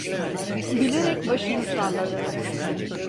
Gülerek başını salladı.